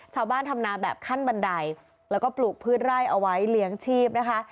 ทำนาแบบขั้นบันไดแล้วก็ปลูกพืชไร่เอาไว้เลี้ยงชีพนะคะ